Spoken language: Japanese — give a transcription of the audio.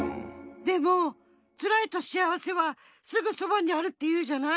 でも「つらい」と「幸せ」はすぐそばにあるっていうじゃない？